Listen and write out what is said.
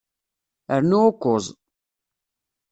Rnu ukuẓ.